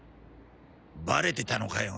バレてたのかよ。